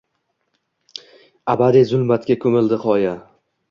Abadiy zulmatga ko‘mildi qoya.